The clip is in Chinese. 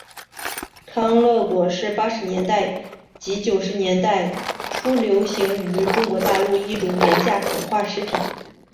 康乐果是八十年代及九十年代初流行于中国大陆一种廉价膨化食品。